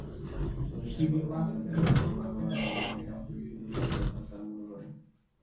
মদীনার পথে গমনকালে ইউহাওয়া নাম্নী এক ইহুদী রূপসীর কথা তার মনে পড়ে।